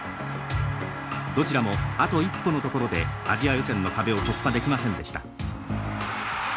どちらもあと一歩のところでアジア予選の壁を突破できませんでした。